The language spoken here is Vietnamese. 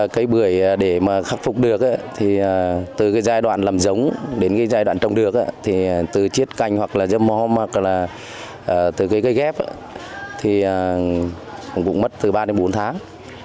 cây bưởi để khắc phục được từ giai đoạn làm giống đến giai đoạn trồng được từ chiết canh hoặc dâm hôm hoặc cây ghép cũng mất từ ba đến bốn tháng